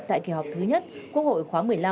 tại kỳ họp thứ nhất quốc hội khóa một mươi năm